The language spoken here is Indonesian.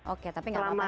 oke tapi gak apa apa sih